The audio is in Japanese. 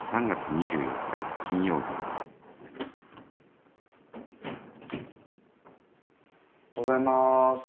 ３月２４日金曜日おはようございます。